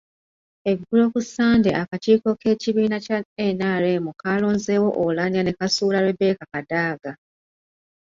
Eggulo ku Ssande akakiiko k’ekibiina kya NRM kaalonzeewo Oulanyah ne kasuula Rebecca Kadaga.